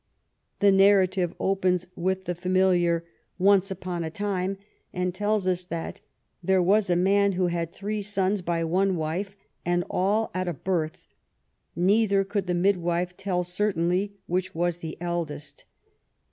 The narrative opens with the familiar " Once upon a time," and tells us that " There was a man who had three sons by one wife, and all at a birth ; neither could the midwife tell certainly which was the eldest."